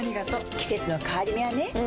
季節の変わり目はねうん。